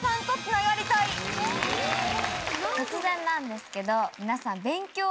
突然なんですけど皆さん。